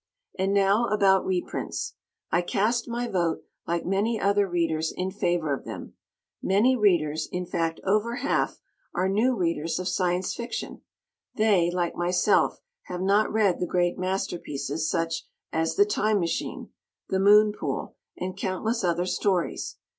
And now about reprints. I cast my vote like many other readers in favor of them. Many Readers, in fact over half, are new Readers of Science Fiction. They, like myself, have not read the great masterpieces such as "The Time Machine," "The Moon Pool" and countless other stories.